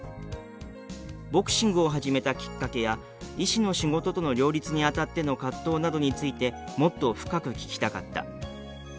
「ボクシングを始めたきっかけや医師の仕事との両立にあたっての葛藤などについてもっと深く聞きたかった」